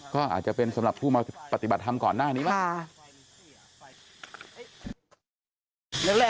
ก็อาจจะเป็นสำหรับผู้มาปฏิบัติธรรมก่อนหน้านี้มั้ง